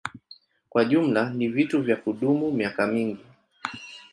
Kwa jumla ni vitu vya kudumu miaka mingi.